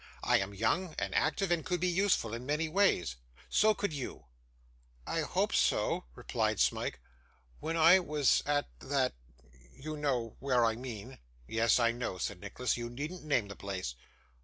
I am young and active, and could be useful in many ways. So could you.' 'I hope so,' replied Smike. 'When I was at that you know where I mean?' 'Yes, I know,' said Nicholas. 'You needn't name the place.